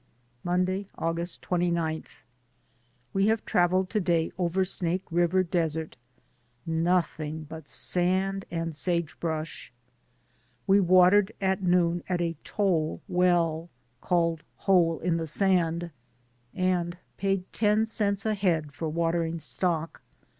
Monday, August 29. We have traveled to day over Snake River desert, nothing but sand and sage brush. We watered at noon at a toll well, called Hole in the sand, and paid ten cents a head for watering stock.